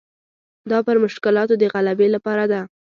دا پر مشکلاتو د غلبې لپاره ده.